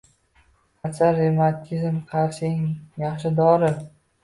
Asal revmatizmga qarshi eng yaxshi dori.